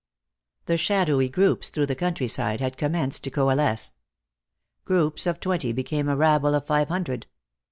The shadowy groups through the countryside had commenced to coalesce. Groups of twenty became a rabble of five hundred.